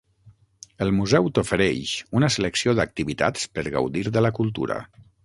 El Museu t'ofereix una selecció d'activitats per gaudir de la cultura.